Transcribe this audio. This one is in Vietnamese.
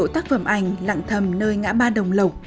tại nơi ngã ba đồng lộc